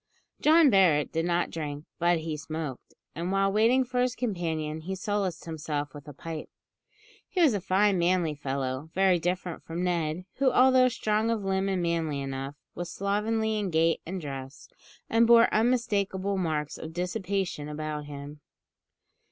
John Barret did not drink, but he smoked; and, while waiting for his companion, he solaced himself with a pipe. He was a fine manly fellow, very different from Ned; who, although strong of limb and manly enough, was slovenly in gait and dress, and bore unmistakable marks of dissipation about him.